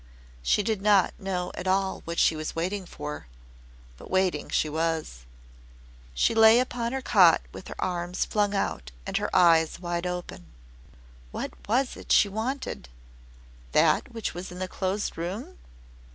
She did not know at all what she was waiting for, but waiting she was. She lay upon her cot with her arms flung out and her eyes wide open. What was it that she wanted that which was in the closed room?